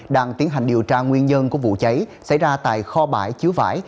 đang tiến hành điều tra nguyên nhân của vụ cháy xảy ra tại kho bãi chứa vải